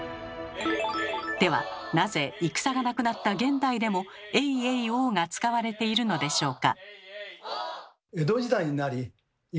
ではなぜ戦がなくなった現代でも「エイエイオー」が使われているのでしょうか？